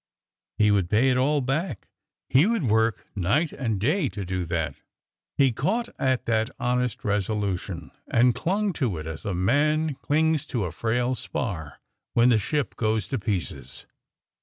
He would pay it all back; he would work night and day to do that. He caught at that honest resolution, and clung to it as a man clings to a frail spar when the ship goes to pieces.